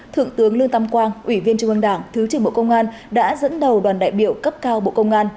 thượng tướng lương tam quang ủy viên trung ương đảng thứ trưởng bộ công an đã dẫn đầu đoàn đại biểu cấp cao bộ công an